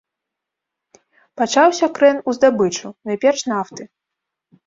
Пачаўся крэн у здабычу, найперш нафты.